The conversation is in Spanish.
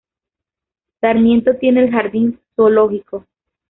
Sarmiento tiene el Jardín Zoológico.